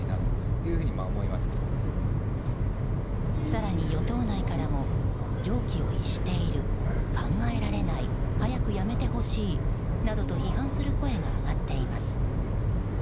更に、与党内からも常軌を逸している考えられない早く辞めてほしいなどと批判する声が上がっています。